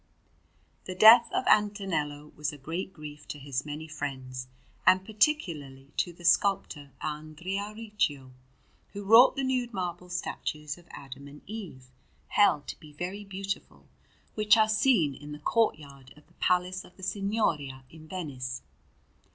The death of Antonello was a great grief to his many friends, and particularly to the sculptor Andrea Riccio, who wrought the nude marble statues of Adam and Eve, held to be very beautiful, which are seen in the courtyard of the Palace of the Signoria in Venice.